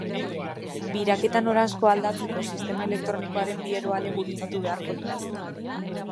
Biraketa noranzkoa aldatzeko sistema elektronikoaren bi eroale gurutzatu beharko lirateke.